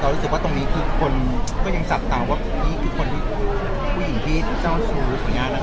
รู้สึกว่าตรงนี้คือคนก็ยังจับตาว่านี่คือคนที่ผู้หญิงที่เจ้าชู้ขออนุญาต